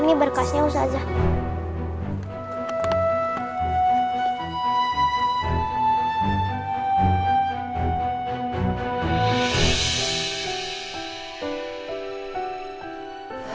ini berkasnya ustazah hai